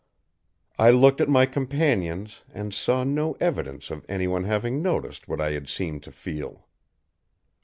I looked at my companions and saw no evidence of anyone having noticed what I had seemed to feel.